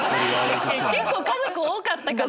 結構家族多かったから。